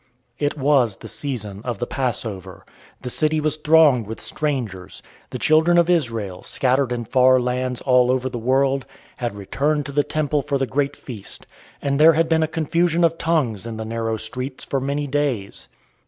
It was the season of the Passover. The city was thronged with strangers. The children of Israel, scattered in far lands all over the world, had returned to the Temple for the great feast, and there had been a confusion of tongues in the narrow streets for many days.